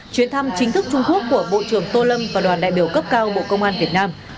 chuyến thăm chính thức trung quốc của bộ trưởng tô lâm và đoàn đại biểu cấp cao bộ công an việt nam